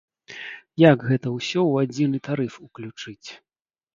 Як гэта ўсё ў адзіны тарыф уключыць.